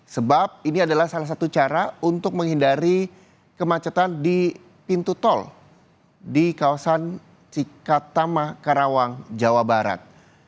sebab ini adalah salah satu cara untuk menghindari kemacetan di pintu tol di kawasan cikatama karawang jawa barat